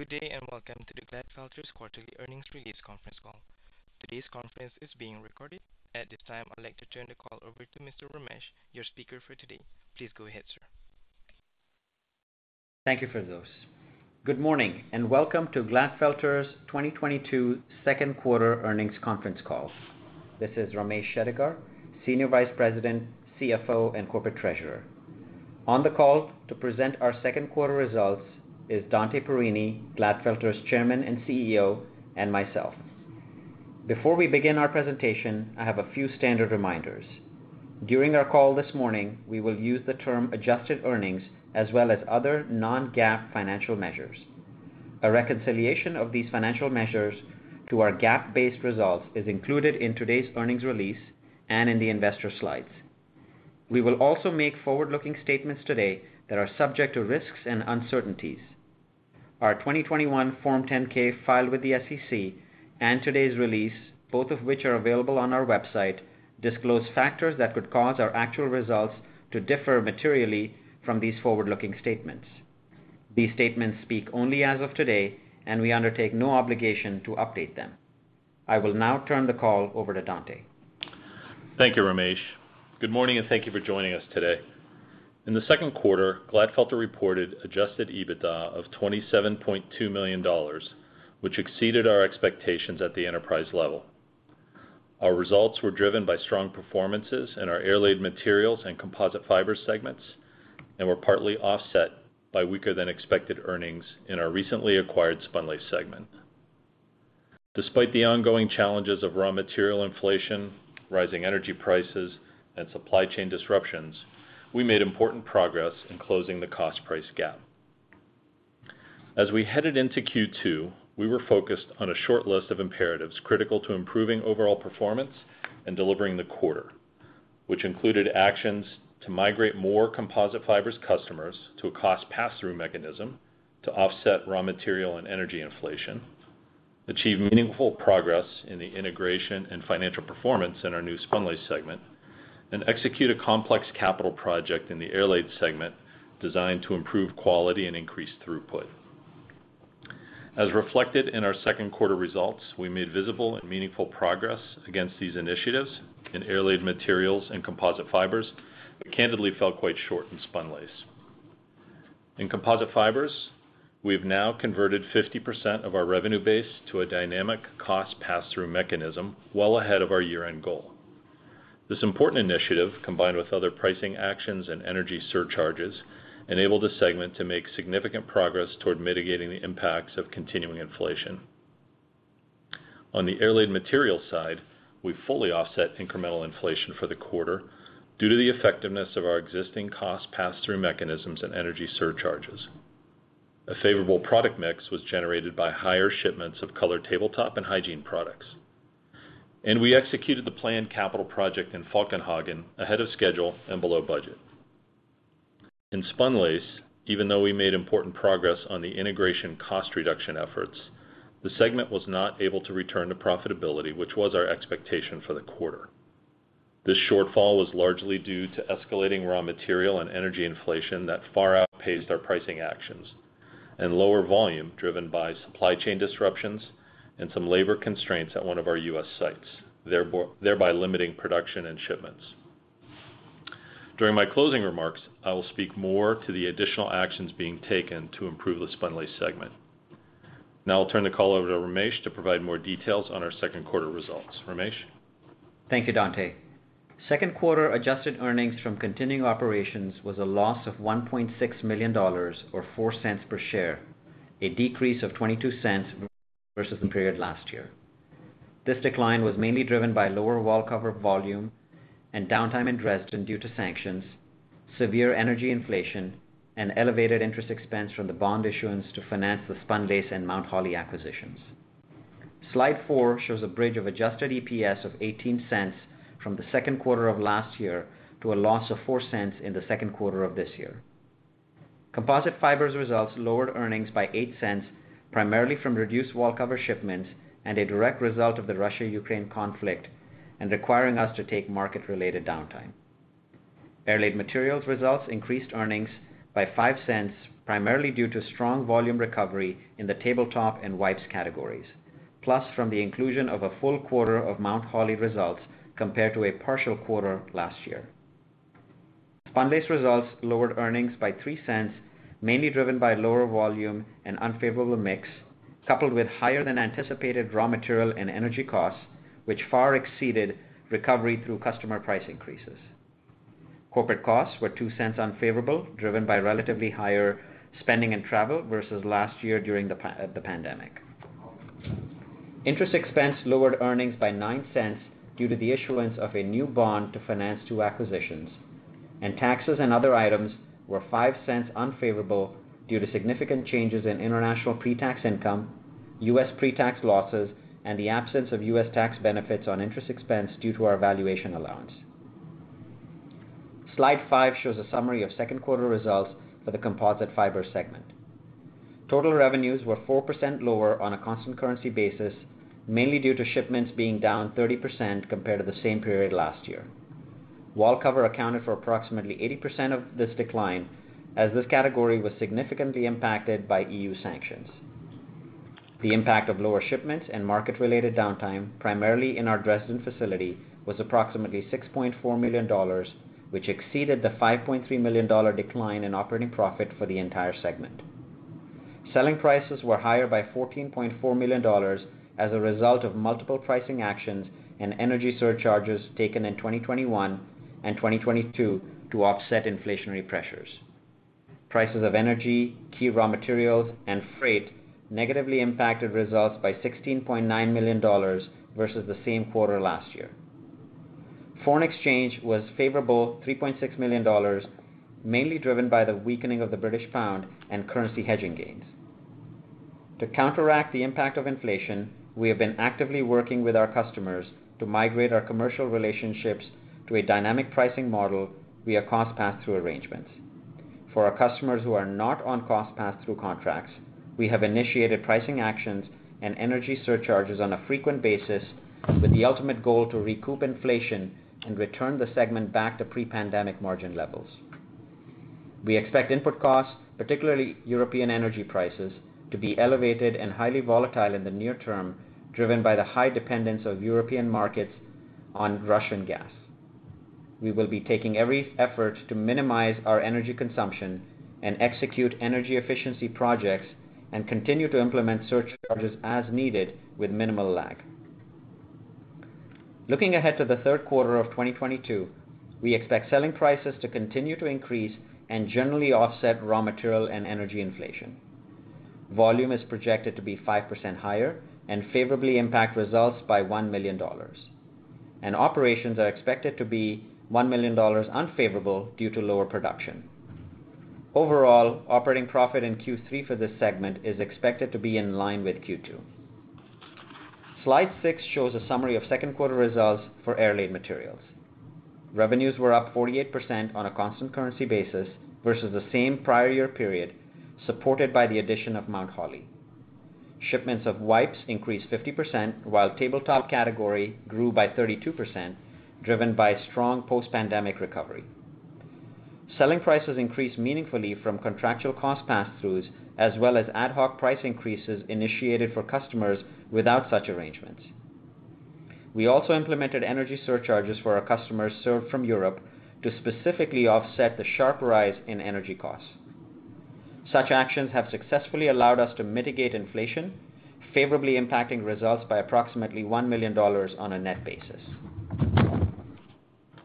Good day, and welcome to the Glatfelter's Quarterly Earnings Release Conference Call. Today's conference is being recorded. At this time, I'd like to turn the call over to Mr. Ramesh, your speaker for today. Please go ahead, sir. Thank you, Ferdous. Good morning, and welcome to Glatfelter's 2022 Q2 earnings conference call. This is Ramesh Shettigar, Senior Vice President, CFO, and Corporate Treasurer. On the call to present our Q2 results is Dante C. Parrini, Glatfelter's Chairman and CEO, and myself. Before we begin our presentation, I have a few standard reminders. During our call this morning, we will use the term adjusted earnings as well as other non-GAAP financial measures. A reconciliation of these financial measures to our GAAP-based results is included in today's earnings release and in the investor slides. We will also make forward-looking statements today that are subject to risks and uncertainties. Our 2021 Form 10-K filed with the SEC and today's release, both of which are available on our website, disclose factors that could cause our actual results to differ materially from these forward-looking statements. These statements speak only as of today, and we undertake no obligation to update them. I will now turn the call over to Dante. Thank you, Ramesh. Good morning, and thank you for joining us today. In the Q2, Glatfelter reported Adjusted EBITDA of $27.2 million, which exceeded our expectations at the enterprise level. Our results were driven by strong performances in our airlaid materials and composite fiber segments and were partly offset by weaker than expected earnings in our recently acquired spunlace segment. Despite the ongoing challenges of raw material inflation, rising energy prices, and supply chain disruptions, we made important progress in closing the cost price gap. As we headed into Q2, we were focused on a short list of imperatives, critical to improving overall performance and delivering the quarter, which included actions to migrate more composite fibers customers to a cost pass-through mechanism to offset raw material and energy inflation, achieve meaningful progress in the integration and financial performance in our new spunlace segment, and execute a complex capital project in the airlaid segment designed to improve quality and increase throughput. As reflected in our Q2 results, we made visible and meaningful progress against these initiatives in airlaid materials and composite fibers, but candidly fell quite short in spunlace. In composite fibers, we've now converted 50% of our revenue base to a dynamic cost pass-through mechanism well ahead of our year-end goal. This important initiative, combined with other pricing actions and energy surcharges, enabled the segment to make significant progress toward mitigating the impacts of continuing inflation. On the airlaid materials side, we fully offset incremental inflation for the quarter due to the effectiveness of our existing cost pass-through mechanisms and energy surcharges. A favorable product mix was generated by higher shipments of colored tabletop and hygiene products. We executed the planned capital project in Falkenhagen ahead of schedule and below budget. In spunlace, even though we made important progress on the integration cost reduction efforts, the segment was not able to return to profitability, which was our expectation for the quarter. This shortfall was largely due to escalating raw material and energy inflation that far outpaced our pricing actions, and lower volume driven by supply chain disruptions and some labor constraints at one of our U.S. sites, thereby limiting production and shipments. During my closing remarks, I will speak more to the additional actions being taken to improve the spunlace segment. Now I'll turn the call over to Ramesh to provide more details on our Q2 results. Ramesh. Thank you, Dante. Q2 adjusted earnings from continuing operations was a loss of $1.6 million or $0.04 per share, a decrease of $0.22 versus the period last year. This decline was mainly driven by lower wallcover volume and downtime in Dresden due to sanctions, severe energy inflation, and elevated interest expense from the bond issuance to finance the spunlace and Mount Holly acquisitions. Slide four shows a bridge of Adjusted EPS of $0.18 from the Q2 of last year to a loss of $0.04 in the Q2 of this year. Composite fibers results lowered earnings by $0.08, primarily from reduced wallcover shipments and a direct result of the Russia-Ukraine conflict, and requiring us to take market-related downtime. Airlaid materials results increased earnings by $0.05, primarily due to strong volume recovery in the tabletop and wipes categories, plus from the inclusion of a full quarter of Mount Holly results compared to a partial quarter last year. Spunlace results lowered earnings by $0.03, mainly driven by lower volume and unfavorable mix, coupled with higher than anticipated raw material and energy costs, which far exceeded recovery through customer price increases. Corporate costs were $0.02 unfavorable, driven by relatively higher spending and travel versus last year during the pandemic. Interest expense lowered earnings by $0.09 due to the issuance of a new bond to finance two acquisitions. Taxes and other items were $0.05 unfavorable due to significant changes in international pretax income, U.S. pretax losses, and the absence of U.S. tax benefits on interest expense due to our valuation allowance. Slide five shows a summary of Q2 results for the composite fibers segment. Total revenues were 4% lower on a constant currency basis, mainly due to shipments being down 30% compared to the same period last year. Wallcover accounted for approximately 80% of this decline, as this category was significantly impacted by EU sanctions. The impact of lower shipments and market-related downtime, primarily in our Dresden facility, was approximately $6.4 million, which exceeded the $5.3 million dollar decline in operating profit for the entire segment. Selling prices were higher by $14.4 million as a result of multiple pricing actions and energy surcharges taken in 2021 and 2022 to offset inflationary pressures. Prices of energy, key raw materials, and freight negatively impacted results by $16.9 million versus the same quarter last year. Foreign exchange was favorable, $3.6 million, mainly driven by the weakening of the British pound and currency hedging gains. To counteract the impact of inflation, we have been actively working with our customers to migrate our commercial relationships to a dynamic pricing model via cost pass-through arrangements. For our customers who are not on cost pass-through contracts, we have initiated pricing actions and energy surcharges on a frequent basis with the ultimate goal to recoup inflation and return the segment back to pre-pandemic margin levels. We expect input costs, particularly European energy prices, to be elevated and highly volatile in the near term, driven by the high dependence of European markets on Russian gas. We will be taking every effort to minimize our energy consumption and execute energy efficiency projects and continue to implement surcharges as needed with minimal lag. Looking ahead to the Q3 of 2022, we expect selling prices to continue to increase and generally offset raw material and energy inflation. Volume is projected to be 5% higher and favorably impact results by $1 million. Operations are expected to be $1 million unfavorable due to lower production. Overall, operating profit in Q3 for this segment is expected to be in line with Q2. Slide six shows a summary of Q2 results for airlaid materials. Revenues were up 48% on a constant currency basis versus the same prior year period, supported by the addition of Mount Holly. Shipments of wipes increased 50%, while tabletop category grew by 32%, driven by strong post-pandemic recovery. Selling prices increased meaningfully from contractual cost pass-throughs as well as ad hoc price increases initiated for customers without such arrangements. We also implemented energy surcharges for our customers served from Europe to specifically offset the sharp rise in energy costs. Such actions have successfully allowed us to mitigate inflation, favorably impacting results by approximately $1 million on a net basis.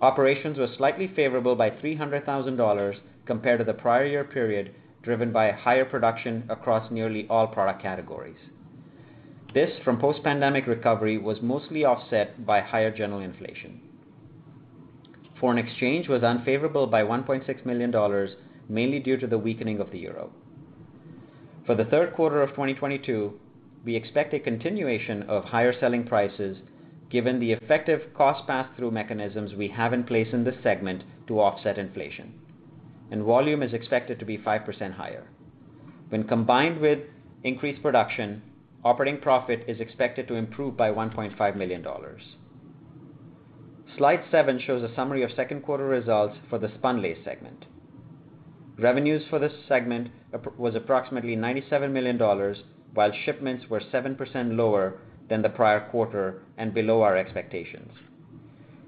Operations were slightly favorable by $300,000 compared to the prior year period, driven by higher production across nearly all product categories. This, from post-pandemic recovery, was mostly offset by higher general inflation. Foreign exchange was unfavorable by $1.6 million, mainly due to the weakening of the euro. For the Q3 of 2022, we expect a continuation of higher selling prices given the effective cost pass-through mechanisms we have in place in this segment to offset inflation, and volume is expected to be 5% higher. When combined with increased production, operating profit is expected to improve by $1.5 million. Slide seven shows a summary of Q2 results for the spunlace segment. Revenues for this segment was approximately $97 million, while shipments were 7% lower than the prior quarter and below our expectations.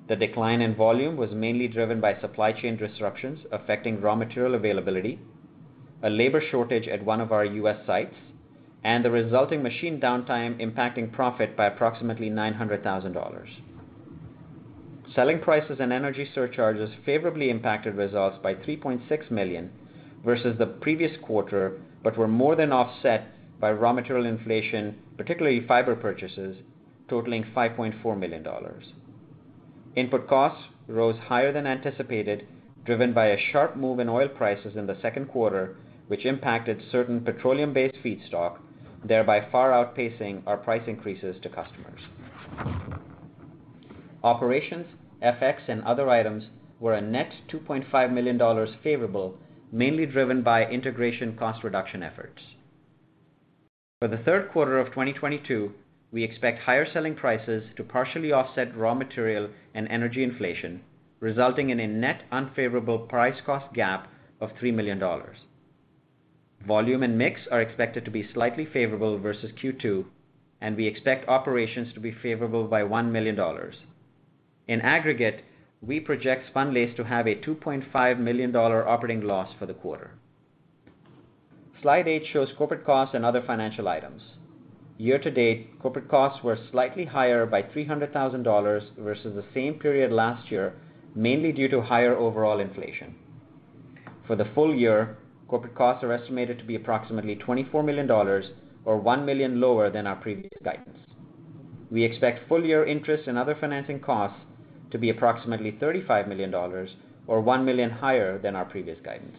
The decline in volume was mainly driven by supply chain disruptions affecting raw material availability, a labor shortage at one of our U.S. sites, and the resulting machine downtime impacting profit by approximately $900,000. Selling prices and energy surcharges favorably impacted results by $3.6 million versus the previous quarter, but were more than offset by raw material inflation, particularly fiber purchases totaling $5.4 million. Input costs rose higher than anticipated, driven by a sharp move in oil prices in the Q2, which impacted certain petroleum-based feedstock, thereby far outpacing our price increases to customers. Operations, FX, and other items were a net $2.5 million favorable, mainly driven by integration cost reduction efforts. For the Q3 of 2022, we expect higher selling prices to partially offset raw material and energy inflation, resulting in a net unfavorable price cost gap of $3 million. Volume and mix are expected to be slightly favorable versus Q2, and we expect operations to be favorable by $1 million. In aggregate, we project spunlace to have a $2.5 million operating loss for the quarter. Slide eight shows corporate costs and other financial items. Year to date, corporate costs were slightly higher by $300,000 versus the same period last year, mainly due to higher overall inflation. For the full year, corporate costs are estimated to be approximately $24 million or $1 million lower than our previous guidance. We expect full year interest and other financing costs to be approximately $35 million or $1 million higher than our previous guidance.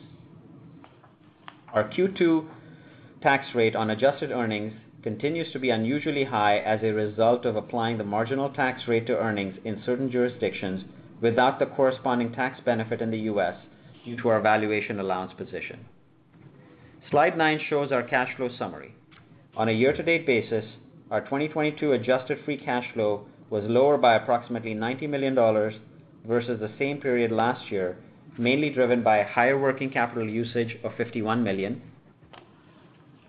Our Q2 tax rate on adjusted earnings continues to be unusually high as a result of applying the marginal tax rate to earnings in certain jurisdictions without the corresponding tax benefit in the U.S. due to our valuation allowance position. Slide nine shows our cash flow summary. On a year-to-date basis, our 2022 adjusted free cash flow was lower by approximately $90 million versus the same period last year, mainly driven by higher working capital usage of $51 million,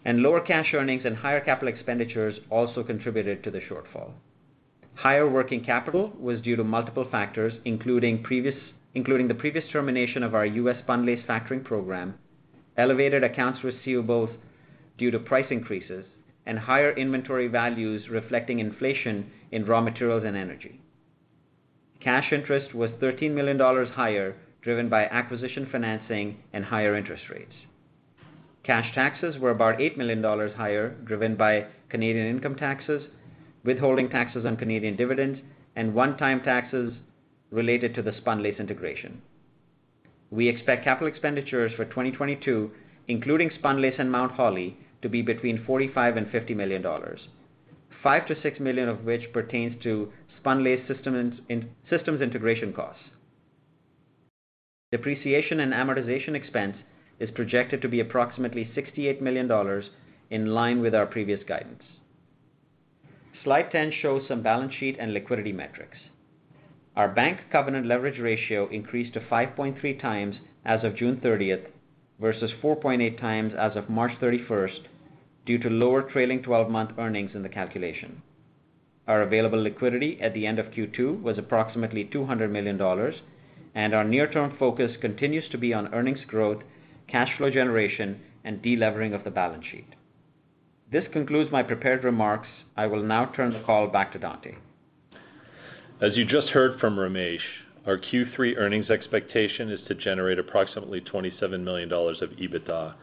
and lower cash earnings and higher capital expenditures also contributed to the shortfall. Higher working capital was due to multiple factors, including the previous termination of our U.S. spunlace factoring program, elevated accounts receivables due to price increases, and higher inventory values reflecting inflation in raw materials and energy. Cash interest was $13 million higher, driven by acquisition financing and higher interest rates. Cash taxes were about $8 million higher, driven by Canadian income taxes, withholding taxes on Canadian dividends, and one-time taxes related to the spunlace integration. We expect capital expenditures for 2022, including spunlace and Mount Holly, to be between $45 million and $50 million. $5 million-$6 million of which pertains to spunlace systems integration costs. Depreciation and amortization expense is projected to be approximately $68 million, in line with our previous guidance. Slide 10 shows some balance sheet and liquidity metrics. Our bank covenant leverage ratio increased to 5.3x as of June 30th versus 4.8x as of March 31st due to lower trailing twelve-month earnings in the calculation. Our available liquidity at the end of Q2 was approximately $200 million, and our near-term focus continues to be on earnings growth, cash flow generation, and de-levering of the balance sheet. This concludes my prepared remarks. I will now turn the call back to Dante. As you just heard from Ramesh, our Q3 earnings expectation is to generate approximately $27 million of EBITDA,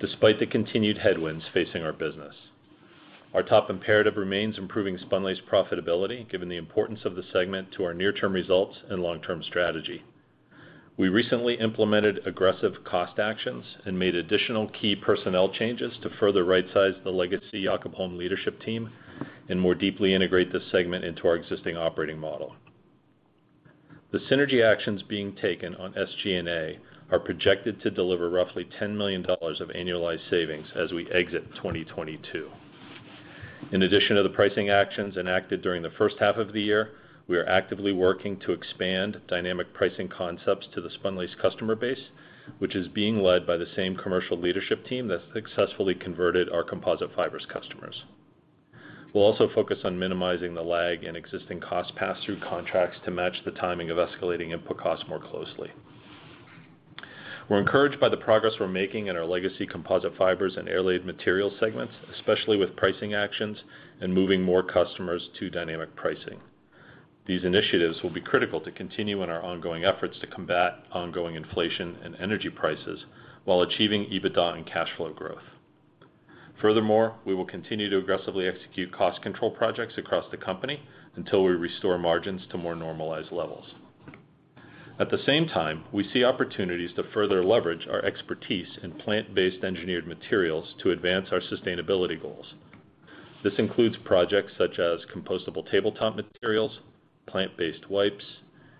despite the continued headwinds facing our business. Our top imperative remains improving spunlace profitability, given the importance of the segment to our near-term results and long-term strategy. We recently implemented aggressive cost actions and made additional key personnel changes to further right-size the legacy Jacob Holm leadership team and more deeply integrate this segment into our existing operating model. The synergy actions being taken on SG&A are projected to deliver roughly $10 million of annualized savings as we exit 2022. In addition to the pricing actions enacted during the first half of the year, we are actively working to expand dynamic pricing concepts to the spunlace customer base, which is being led by the same commercial leadership team that successfully converted our composite fibers customers. We'll also focus on minimizing the lag in existing cost pass-through contracts to match the timing of escalating input costs more closely. We're encouraged by the progress we're making in our legacy composite fibers and airlaid materials segments, especially with pricing actions and moving more customers to dynamic pricing. These initiatives will be critical to continue in our ongoing efforts to combat ongoing inflation and energy prices while achieving EBITDA and cash flow growth. Furthermore, we will continue to aggressively execute cost control projects across the company until we restore margins to more normalized levels. At the same time, we see opportunities to further leverage our expertise in plant-based engineered materials to advance our sustainability goals. This includes projects such as compostable tabletop materials, plant-based wipes,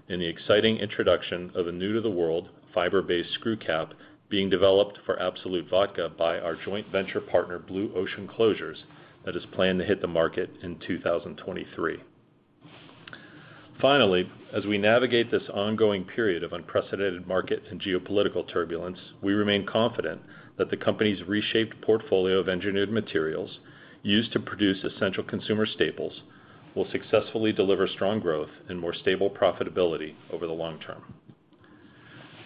and the exciting introduction of a new-to-the-world fiber-based screw cap being developed for Absolut Vodka by our joint venture partner, Blue Ocean Closures, that is planned to hit the market in 2023. Finally, as we navigate this ongoing period of unprecedented market and geopolitical turbulence, we remain confident that the company's reshaped portfolio of engineered materials used to produce essential consumer staples will successfully deliver strong growth and more stable profitability over the long term.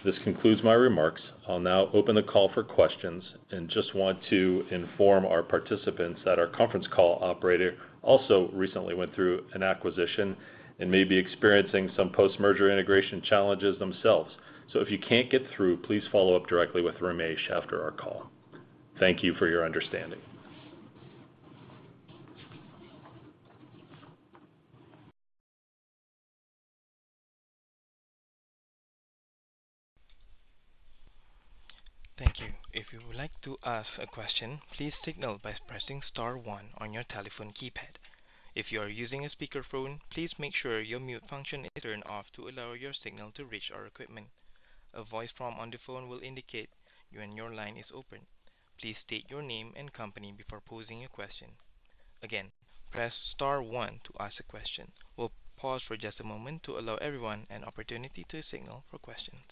This concludes my remarks. I'll now open the call for questions and just want to inform our participants that our conference call operator also recently went through an acquisition and may be experiencing some post-merger integration challenges themselves. If you can't get through, please follow up directly with Ramesh after our call. Thank you for your understanding. Thank you. If you would like to ask a question, please signal by pressing star one on your telephone keypad. If you are using a speakerphone, please make sure your mute function is turned off to allow your signal to reach our equipment. A voice prompt on the phone will indicate when your line is open. Please state your name and company before posing your question. Again, press star one to ask a question. We'll pause for just a moment to allow everyone an opportunity to signal for questions.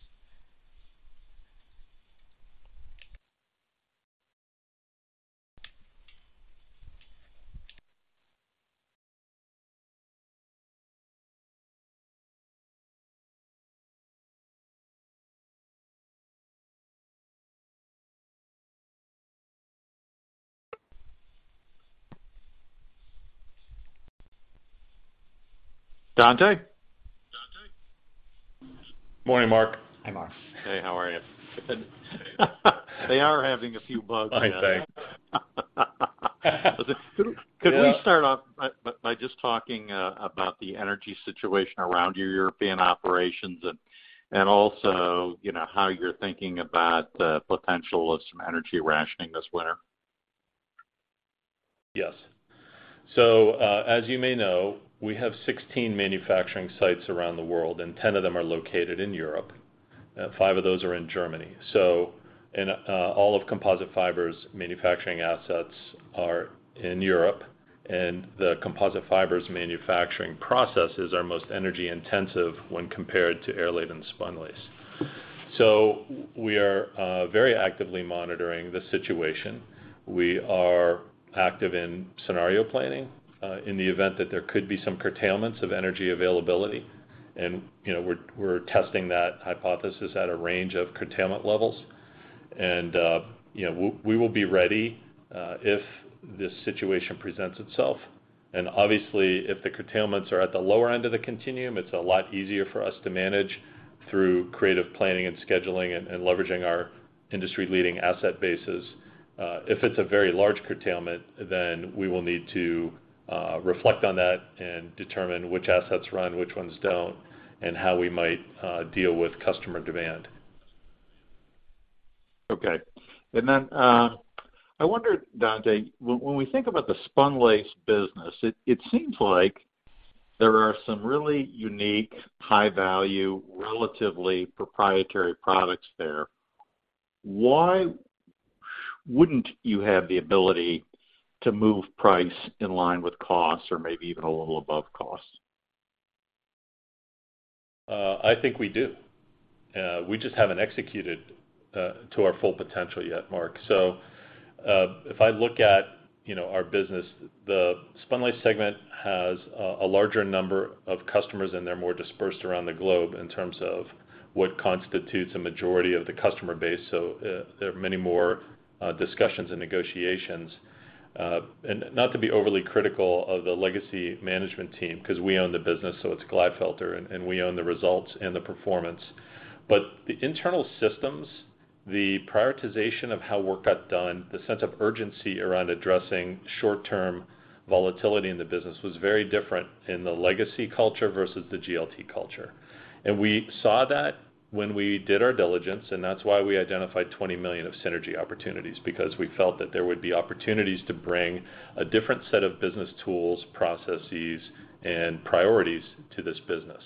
Dante? Morning, Mark. Hi, Mark. Hey, how are you? They are having a few bugs. I think. Could we start off by just talking about the energy situation around your European operations and also, you know, how you're thinking about the potential of some energy rationing this winter? Yes. As you may know, we have 16 manufacturing sites around the world, and 10 of them are located in Europe, five of those are in Germany. In all of composite fibers manufacturing assets are in Europe, and the composite fibers manufacturing processes are most energy intensive when compared to airlaid and spunlace. We are very actively monitoring the situation. We are active in scenario planning in the event that there could be some curtailments of energy availability. You know, we're testing that hypothesis at a range of curtailment levels. You know, we will be ready if this situation presents itself. Obviously, if the curtailments are at the lower end of the continuum, it's a lot easier for us to manage through creative planning and scheduling and leveraging our industry-leading asset bases. If it's a very large curtailment, then we will need to reflect on that and determine which assets run, which ones don't, and how we might deal with customer demand. Okay. I wonder, Dante, when we think about the spunlace business, it seems like there are some really unique high value, relatively proprietary products there. Why wouldn't you have the ability to move price in line with costs or maybe even a little above costs? I think we do. We just haven't executed to our full potential yet, Mark. If I look at, you know, our business, the spunlace segment has a larger number of customers, and they're more dispersed around the globe in terms of what constitutes a majority of the customer base. There are many more discussions and negotiations. Not to be overly critical of the legacy management team because we own the business, so it's Glatfelter, and we own the results and the performance. The internal systems, the prioritization of how work got done, the sense of urgency around addressing short-term volatility in the business was very different in the legacy culture versus the GLT culture. We saw that when we did our diligence, and that's why we identified $20 million of synergy opportunities because we felt that there would be opportunities to bring a different set of business tools, processes, and priorities to this business.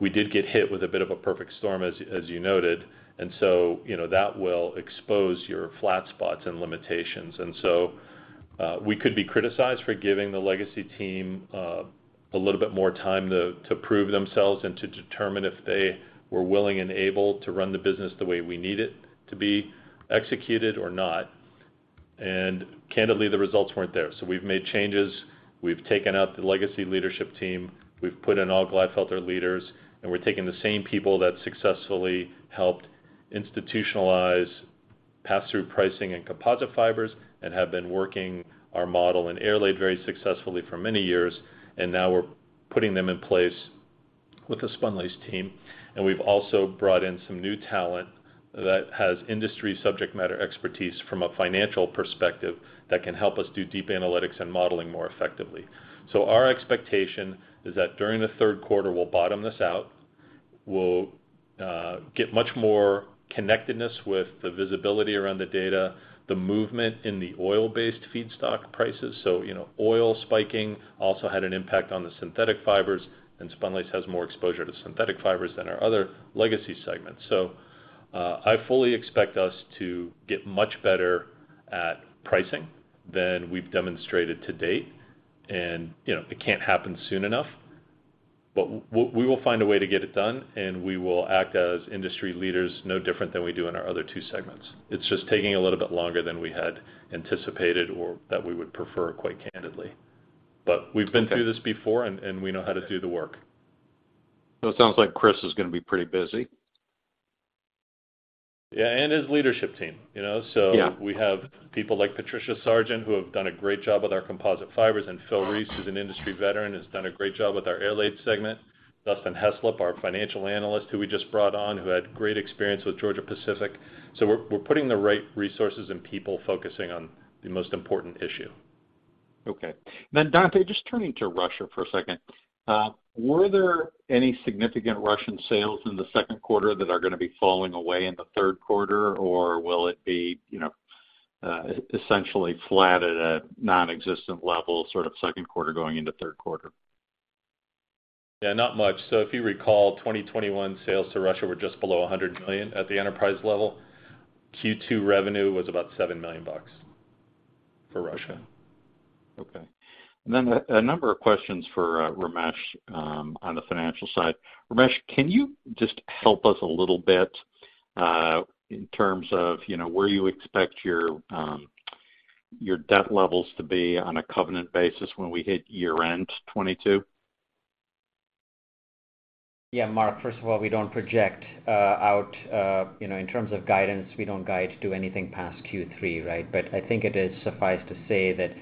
We did get hit with a bit of a perfect storm as you noted. That will expose your flat spots and limitations. We could be criticized for giving the legacy team a little bit more time to prove themselves and to determine if they were willing and able to run the business the way we need it to be executed or not. Candidly, the results weren't there. We've made changes. We've taken out the legacy leadership team. We've put in all Glatfelter leaders, and we're taking the same people that successfully helped institutionalize pass-through pricing and composite fibers and have been working our model in airlaid very successfully for many years. Now we're putting them in place with the spunlace team. We've also brought in some new talent that has industry subject matter expertise from a financial perspective that can help us do deep analytics and modeling more effectively. Our expectation is that during the Q3, we'll bottom this out. We'll get much more connectedness with the visibility around the data, the movement in the oil-based feedstock prices. You know, oil spiking also had an impact on the synthetic fibers, and spunlace has more exposure to synthetic fibers than our other legacy segments. I fully expect us to get much better at pricing than we've demonstrated to date. You know, it can't happen soon enough, but we will find a way to get it done, and we will act as industry leaders, no different than we do in our other two segments. It's just taking a little bit longer than we had anticipated or that we would prefer quite candidly. We've been through this before, and we know how to do the work. It sounds like Chris is gonna be pretty busy. Yeah, his leadership team, you know? Yeah. We have people like Patricia Sargent, who have done a great job with our composite fibers, and Phil Reese, who's an industry veteran, has done a great job with our airlaid segment. Dustin Heslop, our financial analyst, who we just brought on, who had great experience with Georgia-Pacific. We're putting the right resources and people focusing on the most important issue. Okay. Dante, just turning to Russia for a second. Were there any significant Russian sales in the Q2 that are gonna be falling away in the Q3, or will it be, you know, essentially flat at a nonexistent level, sort of Q2 going into Q3? Yeah, not much. If you recall, 2021 sales to Russia were just below $100 million at the enterprise level. Q2 revenue was about $7 million for Russia. Okay. Then a number of questions for Ramesh on the financial side. Ramesh, can you just help us a little bit in terms of you know where you expect your debt levels to be on a covenant basis when we hit year-end 2022? Yeah, Mark, first of all, we don't project out, you know, in terms of guidance. We don't guide to anything past Q3, right? I think it is sufficient to say that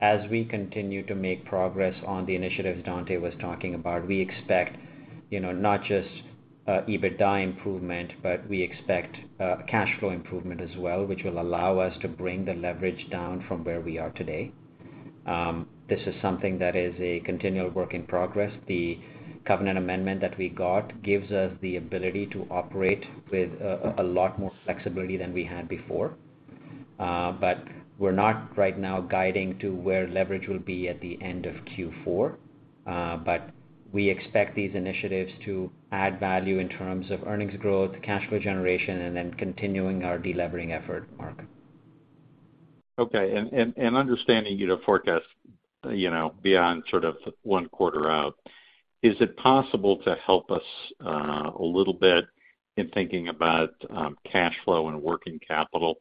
as we continue to make progress on the initiatives Dante was talking about, we expect, you know, not just EBITDA improvement, but we expect cash flow improvement as well, which will allow us to bring the leverage down from where we are today. This is something that is a continual work in progress. The covenant amendment that we got gives us the ability to operate with a lot more flexibility than we had before. We're not right now guiding to where leverage will be at the end of Q4. We expect these initiatives to add value in terms of earnings growth, cash flow generation, and then continuing our delevering effort, Mark. Okay. Understanding you know, forecast, you know, beyond sort of one quarter out, is it possible to help us a little bit in thinking about cash flow and working capital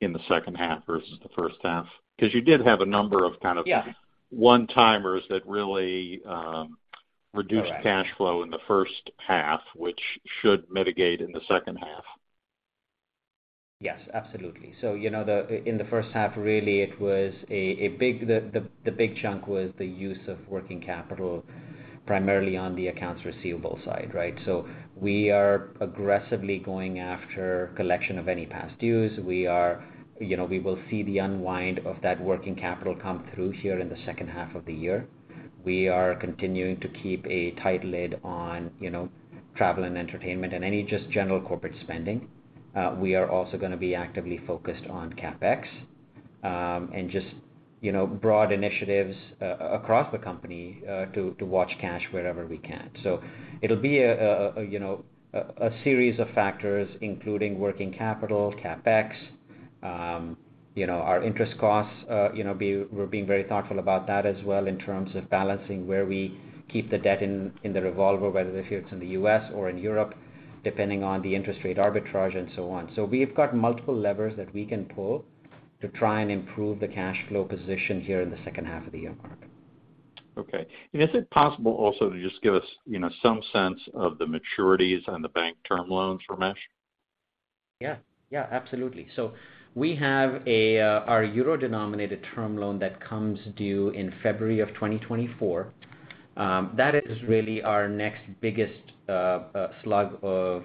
in the second half versus the first half? 'Cause you did have a number of kind of Yeah one-timers that really reduced All right. Cash flow in the first half, which should mitigate in the second half. Yes, absolutely. You know, in the first half, really it was a big chunk was the use of working capital, primarily on the accounts receivable side, right? We are aggressively going after collection of any past dues. You know, we will see the unwind of that working capital come through here in the second half of the year. We are continuing to keep a tight lid on, you know, travel and entertainment and any just general corporate spending. We are also gonna be actively focused on CapEx and just, you know, broad initiatives across the company to watch cash wherever we can. It'll be a you know a series of factors including working capital, CapEx, you know, our interest costs, you know, we're being very thoughtful about that as well in terms of balancing where we keep the debt in the revolver, whether if it's in the U.S. or in Europe, depending on the interest rate arbitrage and so on. We've got multiple levers that we can pull to try and improve the cash flow position here in the second half of the year, Mark. Okay. Is it possible also to just give us, you know, some sense of the maturities on the bank term loans, Ramesh? Yeah. Yeah. Absolutely. We have our euro-denominated term loan that comes due in February of 2024. That is really our next biggest slug of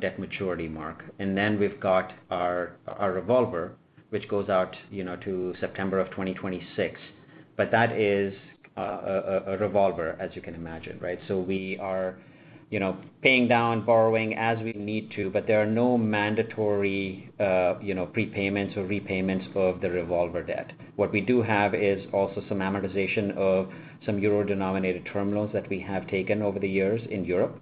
debt maturity, Mark. Then we've got our revolver, which goes out, you know, to September of 2026. That is a revolver, as you can imagine, right? We are, you know, paying down, borrowing as we need to, but there are no mandatory, you know, prepayments or repayments of the revolver debt. What we do have is also some amortization of some euro-denominated term loans that we have taken over the years in Europe,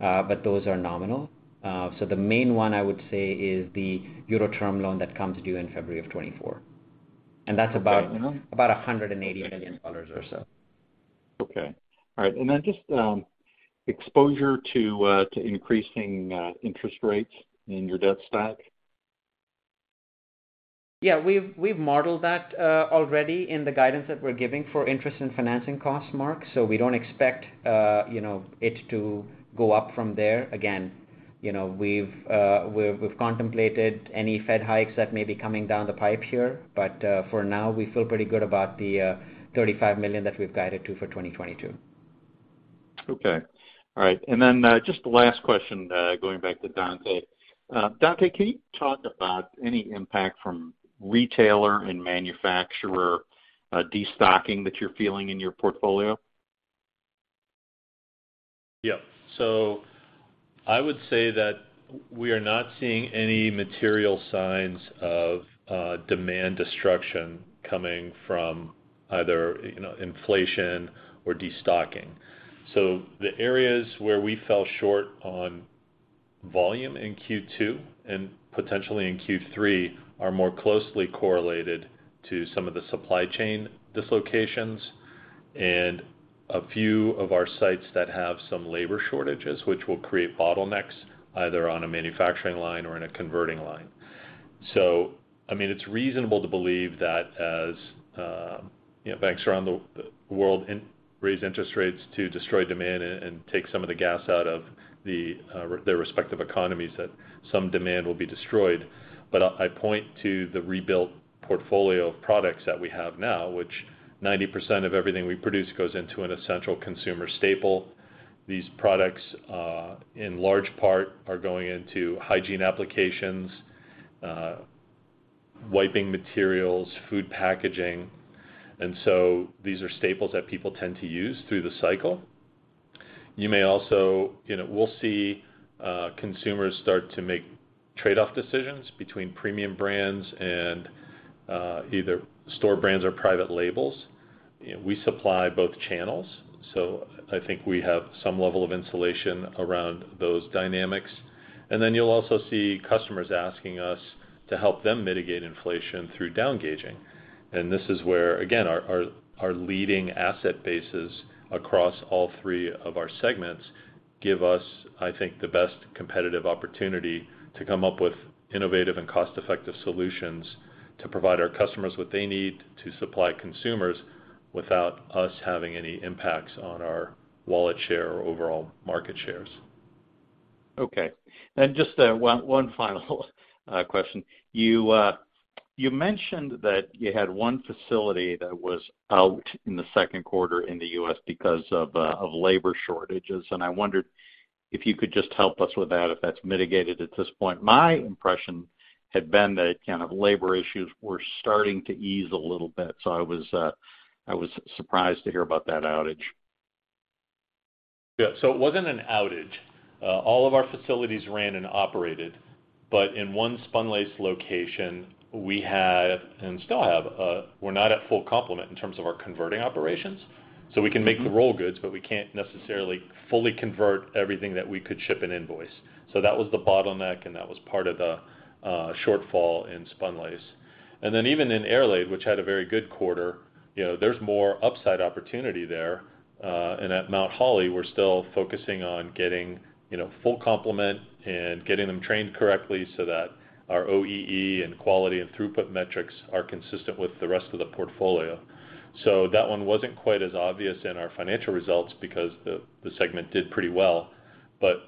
but those are nominal. The main one I would say is the euro term loan that comes due in February of 2024. Okay. That's about $180 million or so. Okay. All right. Just exposure to increasing interest rates in your debt stack? Yeah, we've modeled that already in the guidance that we're giving for interest and financing costs, Mark. We don't expect, you know, it to go up from there. Again, you know, we've contemplated any Fed hikes that may be coming down the pipe here. For now, we feel pretty good about the $35 million that we've guided to for 2022. Okay. All right. Just the last question, going back to Dante. Dante, can you talk about any impact from retailer and manufacturer destocking that you're feeling in your portfolio? I would say that we are not seeing any material signs of demand destruction coming from either, you know, inflation or destocking. The areas where we fell short on volume in Q2 and potentially in Q3 are more closely correlated to some of the supply chain dislocations and a few of our sites that have some labor shortages, which will create bottlenecks either on a manufacturing line or in a converting line. I mean, it's reasonable to believe that as, you know, banks around the world raise interest rates to destroy demand and take some of the gas out of their respective economies, that some demand will be destroyed. I point to the rebuilt portfolio of products that we have now, which 90% of everything we produce goes into an essential consumer staple. These products, in large part are going into hygiene applications, wiping materials, food packaging, and so these are staples that people tend to use through the cycle. You know, we'll see, consumers start to make trade-off decisions between premium brands and, either store brands or private labels. We supply both channels, so I think we have some level of insulation around those dynamics. You'll also see customers asking us to help them mitigate inflation through down gauging. This is where, again, our leading asset bases across all three of our segments give us, I think, the best competitive opportunity to come up with innovative and cost-effective solutions to provide our customers what they need to supply consumers without us having any impacts on our wallet share or overall market shares. Okay. Just one final question. You mentioned that you had one facility that was out in the Q2 in the U.S. because of labor shortages, and I wondered if you could just help us with that, if that's mitigated at this point. My impression had been that kind of labor issues were starting to ease a little bit, so I was surprised to hear about that outage. Yeah. It wasn't an outage. All of our facilities ran and operated, but in one spunlace location we had, and still have, we're not at full complement in terms of our converting operations. We can make the roll goods, but we can't necessarily fully convert everything that we could ship and invoice. That was the bottleneck, and that was part of the shortfall in spunlace. Even in airlaid, which had a very good quarter, you know, there's more upside opportunity there. At Mount Holly, we're still focusing on getting, you know, full complement and getting them trained correctly so that our OEE and quality and throughput metrics are consistent with the rest of the portfolio. That one wasn't quite as obvious in our financial results because the segment did pretty well.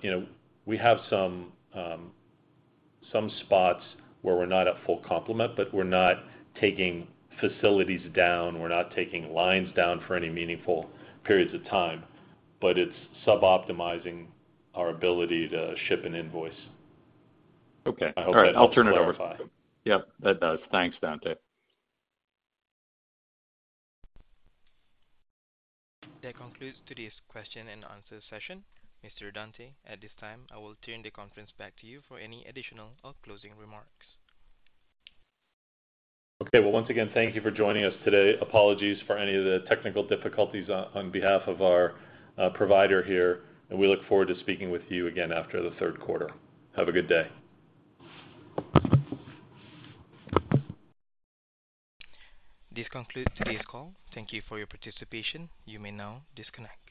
You know, we have some spots where we're not at full complement, but we're not taking facilities down. We're not taking lines down for any meaningful periods of time, but it's suboptimizing our ability to ship an invoice. Okay. I hope that clarifies. All right. I'll turn it over. Yep, that does. Thanks, Dante. That concludes today's question and answer session. Mr. Dante, at this time, I will turn the conference back to you for any additional or closing remarks. Okay. Well, once again, thank you for joining us today. Apologies for any of the technical difficulties on behalf of our provider here, and we look forward to speaking with you again after the Q3. Have a good day. This concludes today's call. Thank you for your participation. You may now disconnect.